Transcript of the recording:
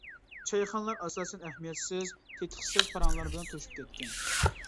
چايخانىلار ئاساسەن ئەھمىيەتسىز، تېتىقسىز پاراڭلار بىلەن توشۇپ كەتكەن.